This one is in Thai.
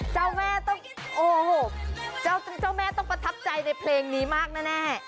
เจ้าแม่ต้องโอ้โหเจ้าแม่ต้องประทับใจในเพลงนี้มากแน่